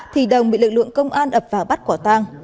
thì đồng bị lực lượng công an ập vào bắt quả tang